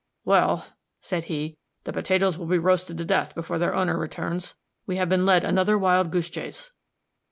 "Well," said he, "the potatoes will be roasted to death before their owner returns. We have been led another wild goose chase."